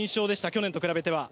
去年と比べては。